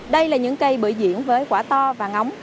đây là những cây bữa diễn với quả to và ngóng